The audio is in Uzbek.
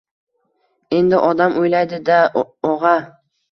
Endi odam o‘ylaydi-da, og‘a